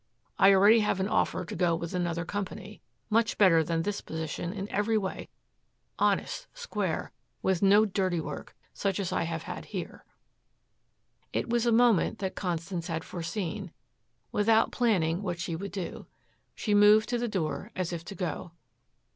I already have an offer to go with another company, much better than this position in every way honest, square, with no dirty work, such as I have had here." It was a moment that Constance had foreseen, without planning what she would do. She moved to the door as if to go.